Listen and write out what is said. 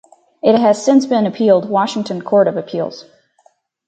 It has since been appealed Washington Court of Appeals.